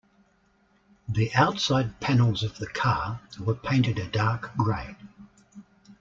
The outside panels of the car were painted a dark grey.